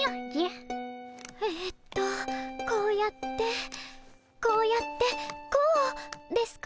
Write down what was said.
ええとこうやってこうやってこうですか？